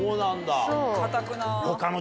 かたくな。